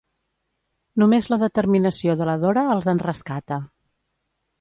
Només la determinació de la Dora els en rescata.